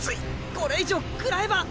これ以上くらえば。